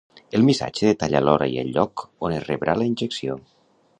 El missatge detalla l’hora i el lloc on es rebrà la injecció.